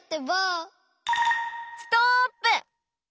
ストップ！